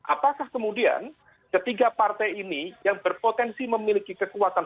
apakah kemudian ketiga partai ini yang berpotensi memiliki kekuatan